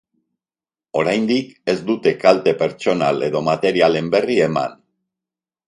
Oraindik ez dute kalte pertsonal edo materialen berri eman.